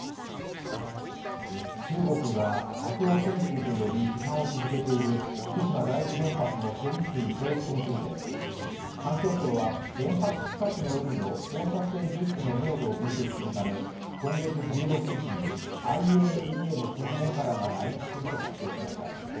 中国が核汚染水と呼び、批判を続けている福島第一原発の処理水放出について、環境省は原発近くの海の放射性物質の濃度を分析するため今月１６日にＩＡＥＡの専門家らが来日すると発表しました。